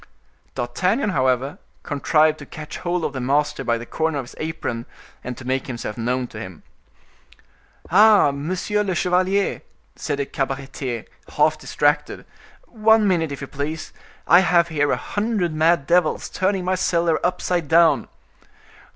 D'Artagnan, however, contrived to catch hold of the master by the corner of his apron, and to make himself known to him. "Ah, monsieur le chevalier," said the cabaretier, half distracted, "one minute if you please. I have here a hundred mad devils turning my cellar upside down."